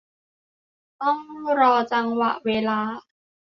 ต้องรอจังหวะเวลา